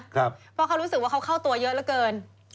เพราะเขารู้สึกว่าเขาเข้าตัวเยอะเหลือเกิน